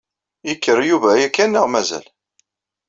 Ikker Yuba yakan neɣ mazal?